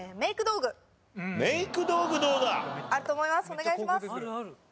お願いします！